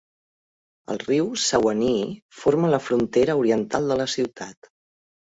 El riu Suwannee forma la frontera oriental de la ciutat.